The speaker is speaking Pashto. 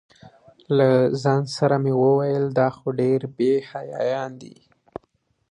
له ځان سره مې ویل دا خو ډېر بې حیایان دي.